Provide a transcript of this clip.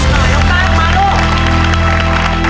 ตั้งมาลุก